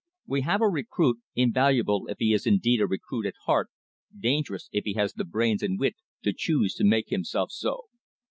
We have a recruit, invaluable if he is indeed a recruit at heart, dangerous if he has the brains and wit to choose to make himself so.